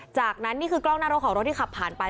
จากนั้นนี่คือกล้องหน้ารถของรถที่ขับผ่านไป